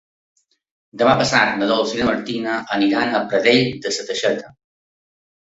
Demà passat na Dolça i na Martina aniran a Pradell de la Teixeta.